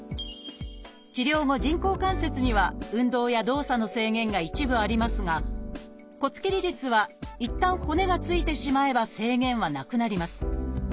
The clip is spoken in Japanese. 治療後人工関節には運動や動作の制限が一部ありますが骨切り術はいったん骨がついてしまえば制限はなくなります。